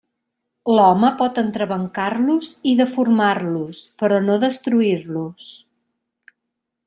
L'home pot entrebancar-los i deformar-los, però no destruir-los.